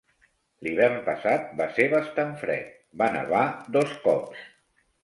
L'hivern passat va ser bastant fred, va nevar dos cops.